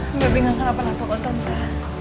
baby gak kenapa kenapa kok tante